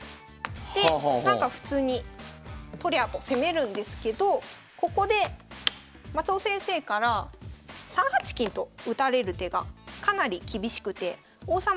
でなんか普通にとりゃと攻めるんですけどここで松尾先生から３八金と打たれる手がかなり厳しくて王様